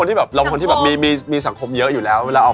ถามตรงเลยว่ามีแฟนหรือยัง